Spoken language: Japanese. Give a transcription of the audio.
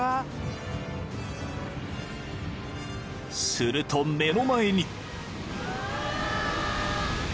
［すると目の前に］